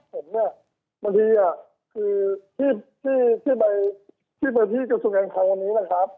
เพราะว่าผมเนี่ยบางทีคือที่ไปที่กระทุกงานครั้งวันนี้นะครับ